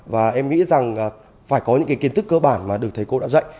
và em nghĩ rằng phải có những kiến thức cơ bản mà được thầy cô đã dạy